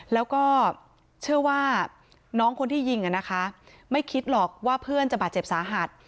แล้วก็เชื่อว่าน้องคนที่ยิงไม่คิดหรอกว่าเพื่อนจะบาดเจ็บสาหัส